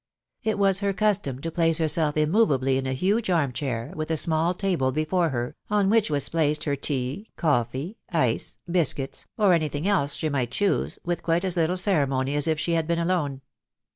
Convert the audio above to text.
It was her custom to place herself immovably in a huge arm chair, with a small table before her, on which was placed her tea, coffee, ice, biscuits, or any tiling else she might choose, with quite as little ceremony as if alone.